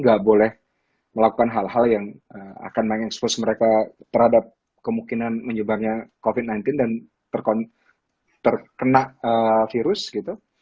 nggak boleh melakukan hal hal yang akan mengekspos mereka terhadap kemungkinan menyebarnya covid sembilan belas dan terkena virus gitu